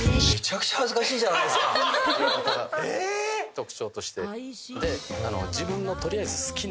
特徴として。